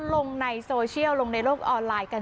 ลงในโซเชียลลงในโลกออนไลน์กัน